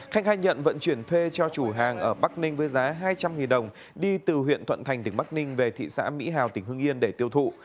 khánh khai nhận vận chuyển thuê cho chủ hàng ở bắc ninh với giá hai trăm linh đồng đi từ huyện thuận thành tỉnh bắc ninh về thị xã mỹ hào tỉnh hương yên để tiêu thụ